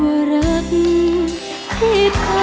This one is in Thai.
เข้ารับที่ท่อเคียงใจใจกัน